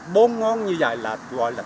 bốn ngón như vậy là